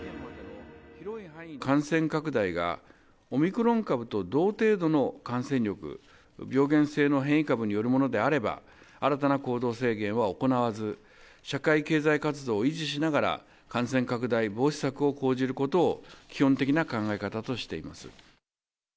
感染拡大がオミクロン株と同程度の感染力、病原性の変異株によるものであれば、新たな行動制限は行わず、社会経済活動を維持しながら、感染拡大防止策を講じることを基本的な考え方としています。